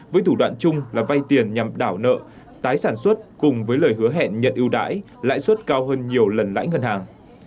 với thủ đoạn chung là vay tiền nhằm đảo nợ tái sản xuất cùng với lời hứa hẹn nhận ưu đãi lãi suất cao hơn nhiều lần lãi ngân hàng